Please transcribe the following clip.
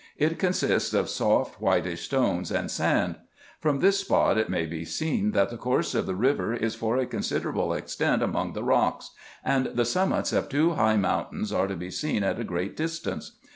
It consists of soft whitish stones and sand. From this spot it may be seen, that the course of the river is for a considerable extent among the rocks ; and the summits of two high mountains are to be seen at a great distance.